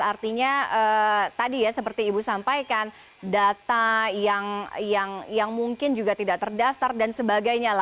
artinya tadi ya seperti ibu sampaikan data yang mungkin juga tidak terdaftar dan sebagainya